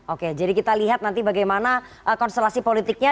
oke jadi kita lihat nanti bagaimana konstelasi politiknya